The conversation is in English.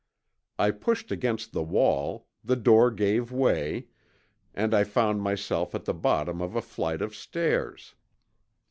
I pushed against the wall, the door gave way, and I found myself at the bottom of a flight of stairs.